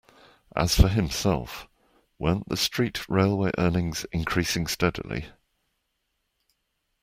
As for himself, weren't the street railway earnings increasing steadily.